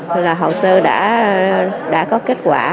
thì là hồ sơ đã có kết quả